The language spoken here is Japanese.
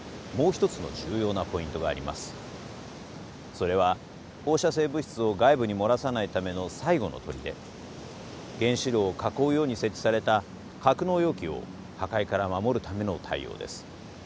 それは放射性物質を外部に漏らさないための最後の砦原子炉を囲うように設置された格納容器を破壊から守るための対応です。